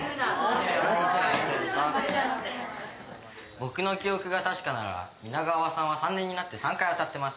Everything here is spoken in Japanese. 僕の記憶が確かなら皆川さんは３年になって３回当たってます。